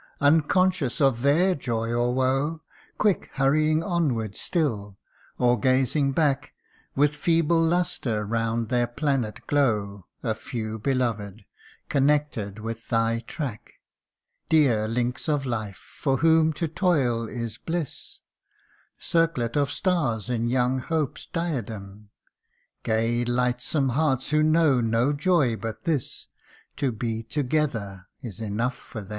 unconscious of their joy or woe, Quick hurrying onward still, or gazing back, With feeble lustre round their planet glow A few beloved, connected with thy track ; Dear links of life, for whom to toil is bliss ; Circlet of stars in young hope's diadem ; Gay lightsome hearts Avho know no joy but this To be together is enough for them.